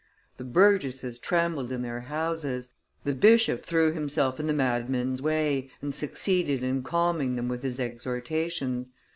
The burgesses trembled in their houses; the bishop threw himself in the madmen's way and succeeded in calming them with his exhortations.